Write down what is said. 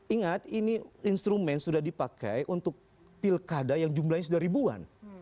ingat ini instrumen sudah dipakai untuk pilkada yang jumlahnya sudah ribuan